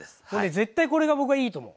絶対これが僕はいいと思う。